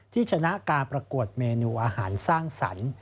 ที่ชนะการประกวดเมนูอาหารสร้างสรรค์